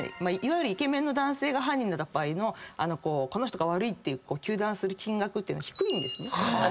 いわゆるイケメンの男性が犯人だった場合のこの人が悪いっていう糾弾する金額って低いんですね。